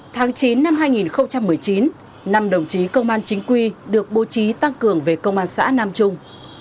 tháng chín năm hai nghìn một mươi chín năm đồng chí công an chính quy được bố trí tăng cường về công an xã nam trung